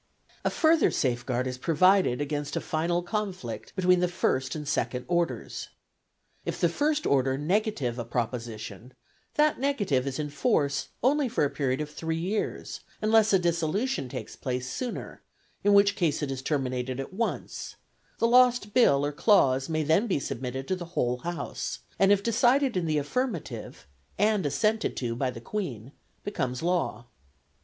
A further safeguard is provided against a final conflict between the first and second orders. If the first order negative a proposition, that negative is in force only for a period of three years, unless a dissolution takes place sooner, in which case it is terminated at once; the lost bill or clause may then be submitted to the whole House, and if decided in the affirmative, and assented to by the Queen, becomes law.